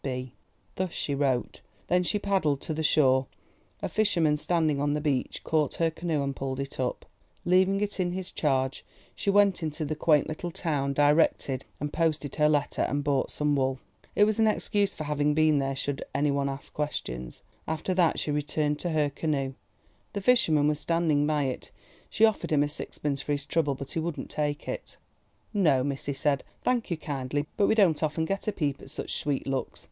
—B." Thus she wrote. Then she paddled to the shore. A fisherman standing on the beach caught her canoe and pulled it up. Leaving it in his charge, she went into the quaint little town, directed and posted her letter, and bought some wool. It was an excuse for having been there should any one ask questions. After that she returned to her canoe. The fisherman was standing by it. She offered him sixpence for his trouble, but he would not take it. "No, miss," he said, "thanking you kindly—but we don't often get a peep at such sweet looks.